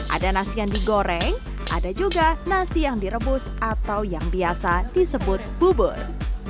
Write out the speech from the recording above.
ada nasi yang digoreng ada juga nasi yang direbus atau yang biasa disebut bubur